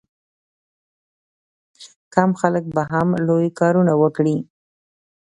کم خلک به هم لوی کارونه وکړي.